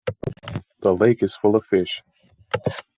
The lake is full of fish.